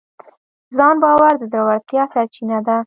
ځان باور د زړورتیا سرچینه ده.